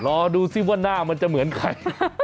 รอดูสิว่าหน้ามันจะเหมือนใคร